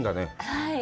はい。